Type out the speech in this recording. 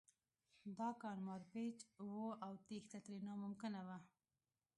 دا کان مارپیچ و او تېښته ترې ناممکنه وه